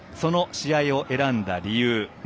その試合を選んだ理由